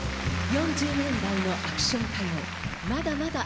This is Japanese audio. ４０年代のアクション歌謡まだまだあります。